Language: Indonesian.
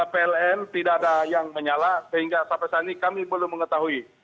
pln tidak ada yang menyala sehingga sampai saat ini kami belum mengetahui